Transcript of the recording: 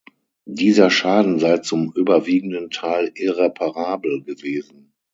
Dieser Schaden sei zum überwiegenden Teil irreparabel gewesen.